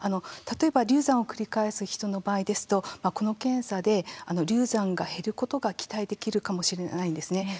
例えば流産を繰り返す人の場合ですとこの検査で、流産が減ることが期待できるかもしれないんですね。